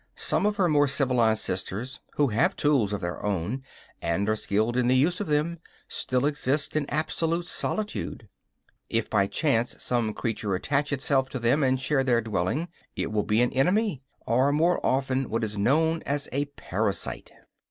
Some of her more civilized sisters, who have tools of their own and are skilled in the use of them, still exist in absolute solitude. If by chance some creature attach itself to them and share their dwelling, it will be an enemy or, more often, what is known as a parasite.